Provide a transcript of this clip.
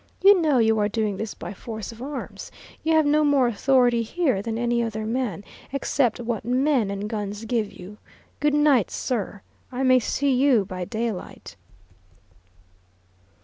You know you are doing this by force of arms. You have no more authority here than any other man, except what men and guns give you. Good night, sir, I may see you by daylight."